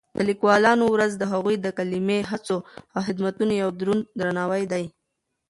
د لیکوالو ورځ د هغوی د قلمي هڅو او خدمتونو یو دروند درناوی دی.